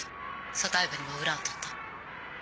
組対部にも裏を取った。